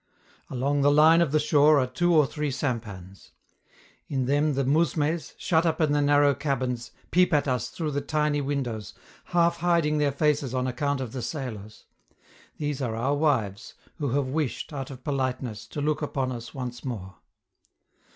Along the line of the shore are two or three sampans; in them the mousmes, shut up in the narrow cabins, peep at us through the tiny windows, half hiding their faces on account of the sailors; these are our wives, who have wished, out of politeness, to look upon us once more.